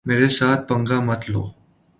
میرے ساتھ پنگا مت لو۔